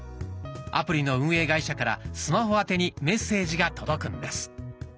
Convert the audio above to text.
アプリの運営会社からスマホ宛てにメッセージが届くんです。